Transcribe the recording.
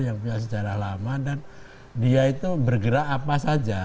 yang punya sejarah lama dan dia itu bergerak apa saja